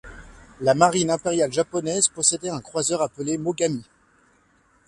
La Marine impériale japonaise possédait un croiseur appelé Mogami.